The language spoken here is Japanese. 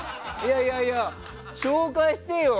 いやいや、紹介してよ。